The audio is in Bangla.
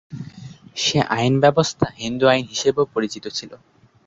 সে আইন ব্যবস্থা হিন্দু আইন হিসেবেও পরিচিত ছিল।